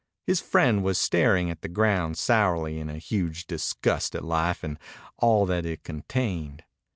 His friend was staring at the ground sourly in a huge disgust at life and all that it contained.